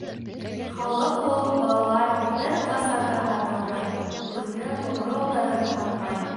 Халыҡ ул, балалар, бер ҡасан да һатылмай, үҙенең тоғро улдарын һатмай.